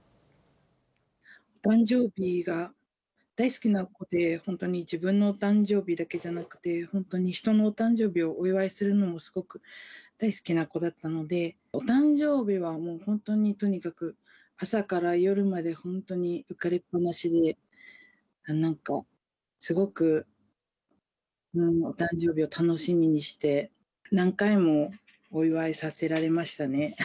誕生日が大好きな子で、本当に自分の誕生日だけじゃなくて、本当に人のお誕生日をお祝いするのもすごく大好きな子だったので、お誕生日はもう本当にとにかく、朝から夜まで本当に浮かれっぱなしで、なんかすごくお誕生日を楽しみにして、何回もお祝いさせられましたね。